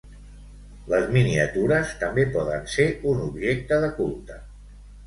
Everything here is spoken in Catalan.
les miniatures també poden ser un objecte de culte